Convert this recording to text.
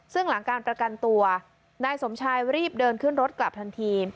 ซึ่งหลังการประกันตัวนายสมชายรีบเดินขึ้นรถกลับทันที